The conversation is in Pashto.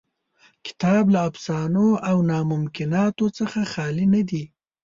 کتاب له افسانو او ناممکناتو څخه خالي نه دی.